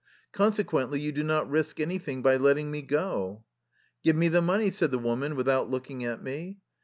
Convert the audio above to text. Consequently you do not risk any thing by letting me go." " Give me the money," said the woman with out looking at me.